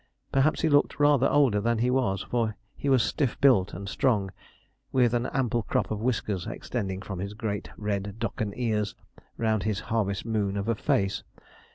Perhaps he looked rather older than he was, for he was stiff built and strong, with an ample crop of whiskers extending from his great red docken ears round his harvest moon of a face.